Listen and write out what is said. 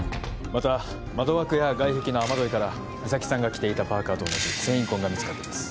また窓枠や外壁の雨どいから実咲さんが着ていたパーカーと同じ繊維痕が見つかっています